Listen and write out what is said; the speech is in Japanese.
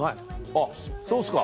あっそうですか。